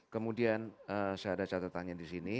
kemudian saya ada catatannya disini